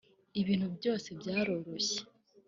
ibintu byose byaroroshye